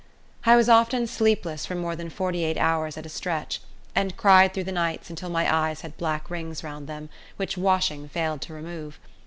I was often sleepless for more than forty eight hours at a stretch, and cried through the nights until my eyes had black rings round them, which washing failed to remove.